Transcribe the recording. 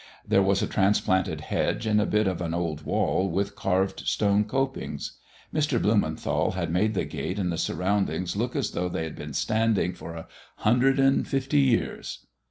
There was a transplanted hedge and a bit of an old wall with carved stone copings. Mr. Blumenthal had made the gate and the surroundings look as though they had been standing for a hundred and fifty years.